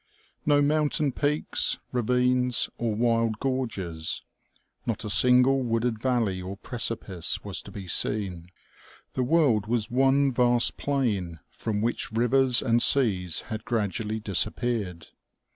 No mountain peaks, ravines or wild gorges, not a single wooded valley or precipice was to be seen ; the world was one vast plain, from which rivers and seas had gradually disappeared.